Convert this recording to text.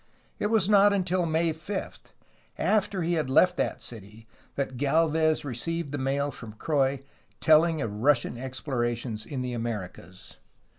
It was not until May 5, after he had left that city, that Galvez received the mail from Croix telling of Russian explorations in the Americas.